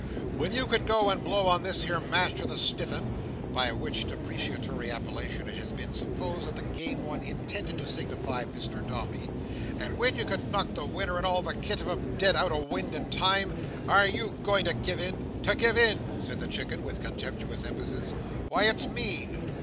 When you could go and blow on this here match to the stiff'un;" by which depreciatory appellation it has been since supposed that the Game One intended to signify Mr Dombey; "and when you could knock the winner and all the kit of 'em dead out o' wind and time, are you going to give in? To give in?" said the Chicken, with contemptuous emphasis. "Wy, it's mean!"